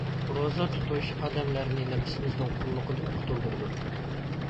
روزا تۇتۇش ئادەملەرنى نەپسىمىزنىڭ قۇللۇقىدىن قۇتۇلدۇرىدۇ.